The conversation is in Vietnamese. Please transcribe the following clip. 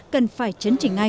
cần phải chấn chỉnh ngay